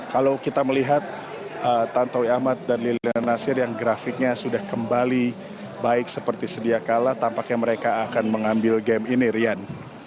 kalau kita melihat tantowi ahmad dan lilian nasir yang grafiknya sudah kembali baik seperti sedia kala tampaknya mereka akan mengambil game ini rian